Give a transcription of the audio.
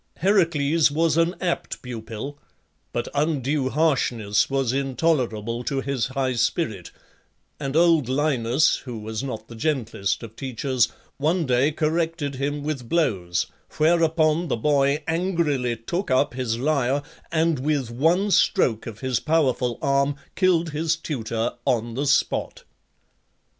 Heracles was an apt pupil; but undue harshness was intolerable to his high spirit, and old Linus, who was not the gentlest of teachers, one day corrected him with blows, whereupon the boy angrily took up his lyre, and, with one stroke of his powerful arm, killed his tutor on the spot.